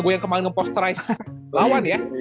gue yang kemarin nge posterize lawan ya